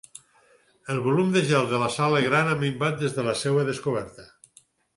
El volum de gel a la sala Gran ha minvat des de la seua descoberta.